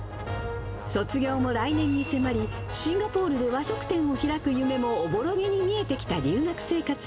卒業を来年に迫り、シンガポールで和食店を開く夢もおぼろげに見えてきた留学生活。